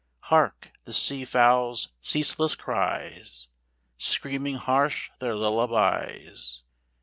Hark, the sea fowls' ceaseless cries, Screaming harsh their lullabies.